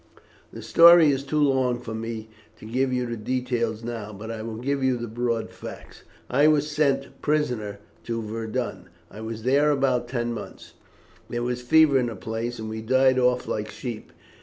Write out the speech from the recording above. The story is too long for me to give you the details now, but I will give you the broad facts. I was sent prisoner to Verdun. I was there about ten months. There was fever in the place, and we died off like sheep.